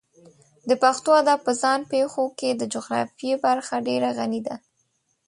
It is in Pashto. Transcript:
د پښتو ادب په ځان پېښو کې د جغرافیې برخه ډېره غني ده.